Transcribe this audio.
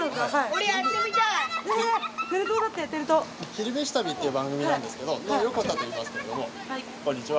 「昼めし旅」っていう番組なんですけど横田といいますけどもこんにちは。